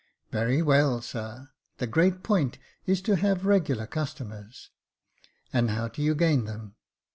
'' "Very well, sir; the great point is to have regular customers." " And how do you gain them